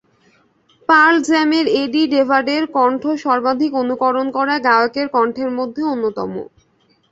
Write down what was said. Pearl জ্যামের Eddie ভেডারের কণ্ঠ সর্বাধিক অনুকরণ করা গায়কের কণ্ঠের মধ্যে অন্যতম।